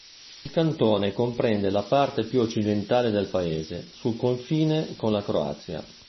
Il cantone comprende la parte più occidentale del Paese, sul confine con la Croazia.